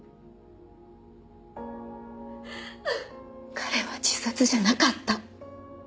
彼は自殺じゃなかった。